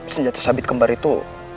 senjata sabit kembar itu